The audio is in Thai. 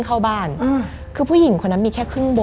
มันกลายเป็นรูปของคนที่กำลังขโมยคิ้วแล้วก็ร้องไห้อยู่